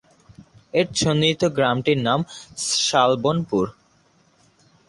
এর সন্নিহিত গ্রামটির নাম শালবনপুর।